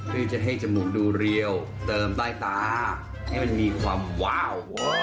คือจะให้จมูกดูรีวเติมใบล้างตาให้มันมีความว้าว